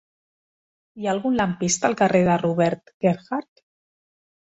Hi ha algun lampista al carrer de Robert Gerhard?